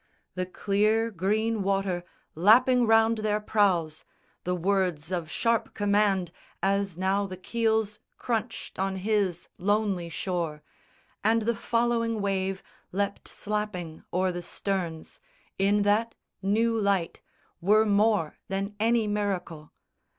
The clear green water lapping round their prows, The words of sharp command as now the keels Crunched on his lonely shore, and the following wave Leapt slapping o'er the sterns, in that new light Were more than any miracle.